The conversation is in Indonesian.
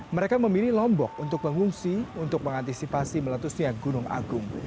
mereka memilih lombok untuk mengungsi untuk mengantisipasi meletusnya gunung agung